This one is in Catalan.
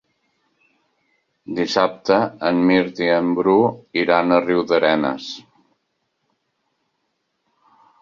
Dissabte en Mirt i en Bru iran a Riudarenes.